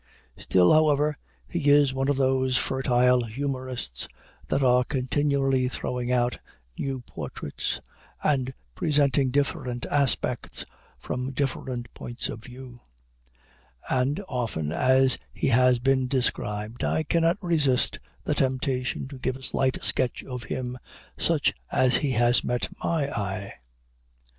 Still, however, he is one of those fertile humorists, that are continually throwing out new portraits, and presenting different aspects from different points of view; and, often as he has been described, I cannot resist the temptation to give a slight sketch of him, such as he has met my eye.